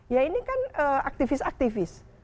ya ini kan aktivis aktivis